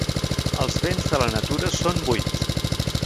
Els béns de la natura són vuit.